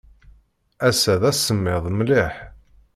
Ass-a d asemmiḍ mliḥ.